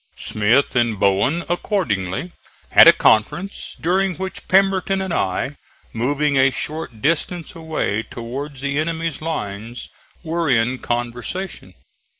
Smith and Bowen accordingly had a conference, during which Pemberton and I, moving a short distance away towards the enemy's lines were in conversation.